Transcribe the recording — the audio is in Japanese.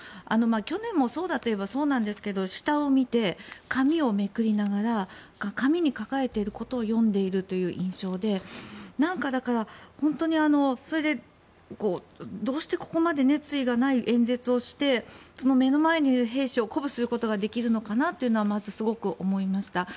去年もそうだといえばそうなんですが下を見て、紙をめくりながら紙に書かれていることを読んでいるという印象でだから、本当にそれでどうしてここまで熱意がない演説をして目の前にいる兵士を鼓舞することができるのかなとはまず、すごく思いました。